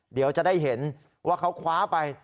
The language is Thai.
เดี๋ยวจะได้เห็นว่าเขาคว้าไป